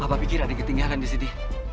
apa pikir ada yang ketinggalan disini